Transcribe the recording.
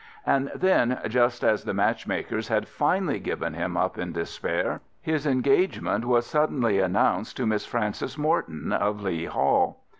And then, just as the match makers had finally given him up in despair, his engagement was suddenly announced to Miss Frances Morton, of Leigh Hall.